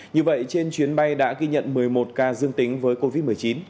như vậy trên chuyến bay đã ghi nhận một mươi một ca dương tính với covid một mươi chín